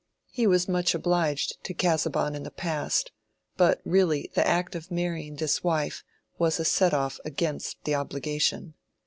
He was much obliged to Casaubon in the past, but really the act of marrying this wife was a set off against the obligation.